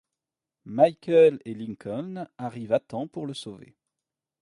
Michael et Lincoln arrivent à temps pour le sauver.